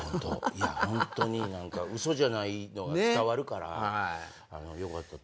いやホントに嘘じゃないのが伝わるからよかったと。